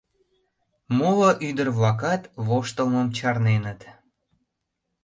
Моло ӱдыр-влакат воштылмым чарненыт.